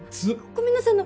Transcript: ごめんなさい！